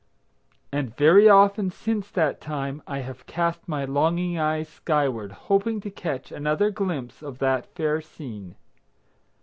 And very often since that time I have cast my longing eyes skyward, hoping to catch another glimpse of that fair scene.